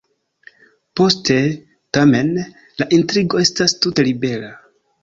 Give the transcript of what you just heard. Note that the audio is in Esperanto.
Poste, tamen, la intrigo estas tute libera.